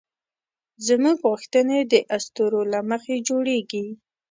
زموږ غوښتنې د اسطورو له مخې جوړېږي.